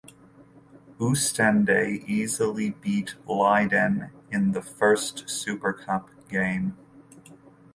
Oostende easily beat Leiden in the first Supercup game.